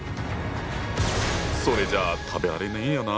それじゃあ食べられねえよな。